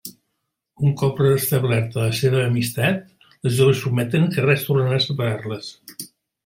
Un cop restablerta la seua amistat, les joves prometen que res tornarà a separar-les.